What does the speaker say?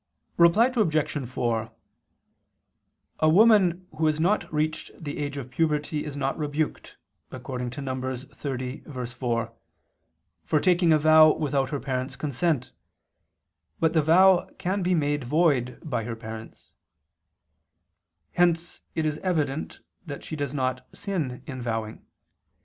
Reply Obj. 4: A woman who has not reached the age of puberty is not rebuked (Num. 30:4) for taking a vow without her parents' consent: but the vow can be made void by her parents. Hence it is evident that she does not sin in vowing.